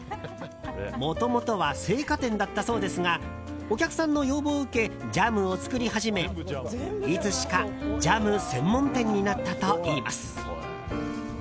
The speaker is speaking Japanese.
もともとは青果店だったそうですがお客さんの要望を受けジャムを作り始めいつしかジャム専門店になったといいます。